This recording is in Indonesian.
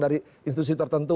dari institusi tertentu